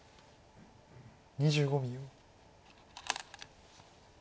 ２５秒。